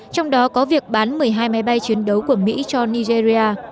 trong đó có việc bán một mươi hai máy bay chiến đấu của mỹ cho nigeria